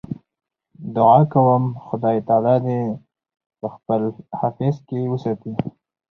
دعا کوم خدای تعالی دې په خپل حفظ کې وساتي.